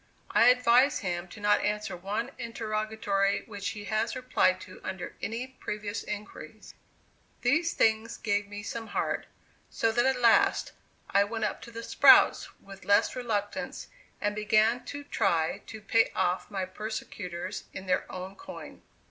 I advise him to not answer one interrogatory which he has replied to under any previous inquiries." These things gave me some heart, so that at last, I went up to the "sprouts" with less reluctance, and began to try to pay off my persecutors in their own coin.